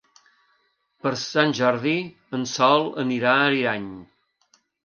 Per Sant Jordi en Sol anirà a Ariany.